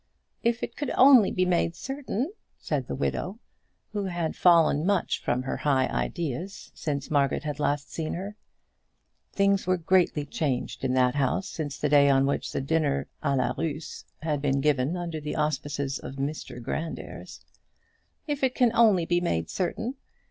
"If it could only be made certain," said the widow, who had fallen much from her high ideas since Margaret had last seen her. Things were greatly changed in that house since the day on which the dinner, à la Russe, had been given under the auspices of Mr Grandairs. "If it can only be made certain.